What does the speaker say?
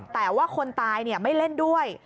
แต่ว่าคนตายไม่เล่นด้วย